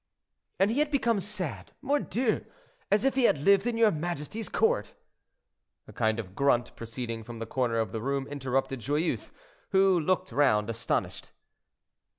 "And he had become sad, mordieu! as if he had lived in your majesty's court." A kind of grunt, proceeding from the corner of the room interrupted Joyeuse, who looked round astonished.